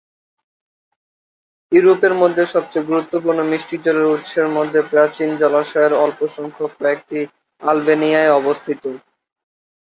ইউরোপের সবচেয়ে গুরুত্বপূর্ণ মিষ্টি জলের উৎসের মধ্যে প্রাচীনতম জলাশয়ের অল্প সংখ্যক কয়েকটি আলবেনিয়ায় অবস্থিত।